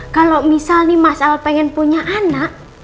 kalo misal ini mas al pengen punya anak